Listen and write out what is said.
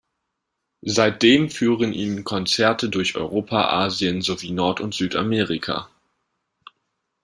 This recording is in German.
Seitdem führen ihn Konzerte durch Europa, Asien, sowie Nord- und Südamerika.